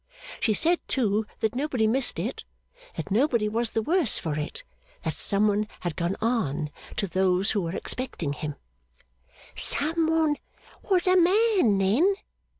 She said, too, that nobody missed it, that nobody was the worse for it, that Some one had gone on, to those who were expecting him ' 'Some one was a man then?